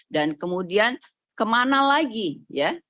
dan kemudian kemana lagi ya